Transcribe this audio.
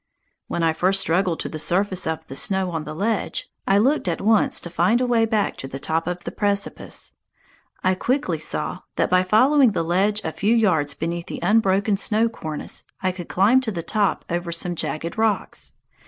When I first struggled to the surface of the snow on the ledge, I looked at once to find a way back to the top of the precipice. I quickly saw that by following the ledge a few yards beneath the unbroken snow cornice I could climb to the top over some jagged rocks.